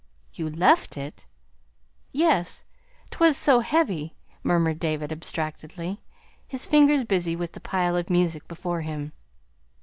"You left it!" "Yes, 't was so, heavy" murmured David abstractedly, his fingers busy with the pile of music before him.